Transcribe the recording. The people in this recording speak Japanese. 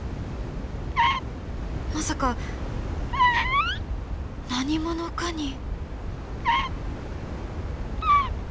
まさか何者かに？